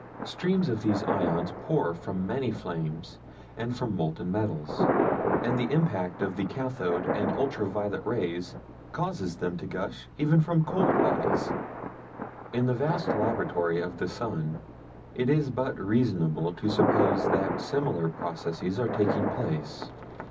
Streams of these "ions" pour from many flames and from molten metals; and the impact of the cathode and ultra violet rays causes them to gush even from cold bodies. In the vast laboratory of the sun it is but reasonable to suppose that similar processes are taking place.